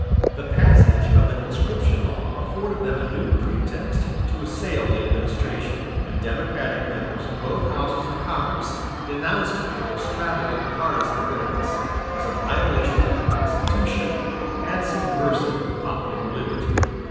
The passage of the conscription law afforded them a new pretext to assail the administration; and Democratic members of both Houses of Congress denounced it with extravagant partizan bitterness as a violation of the Constitution, and subversive of popular liberty.